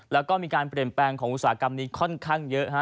แล้วก็มีการเปลี่ยนแปลงของอุตสาหกรรมนี้ค่อนข้างเยอะฮะ